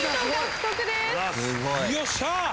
よっしゃ！